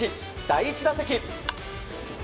第１打席。